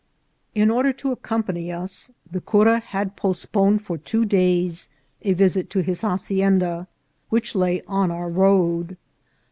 In order to accompany us, the cura had postponed for two days a visit to his hacienda, which lay on our road.